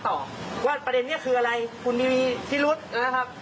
อ่ะก็นึกไปว่าประเด็นเนี้ยคืออะไรคุณนิวีพี่ฤทธิ์นะครับ